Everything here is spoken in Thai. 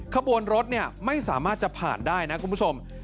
ขบวนรถไม่สามารถจะผ่านได้นะคุณผู้ชม